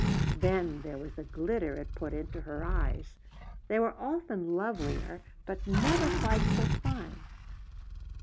Then there was the glitter it put into her eyes: they were often lovelier, but never quite so fine.